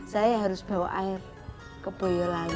saya harus bawa air ke boyolali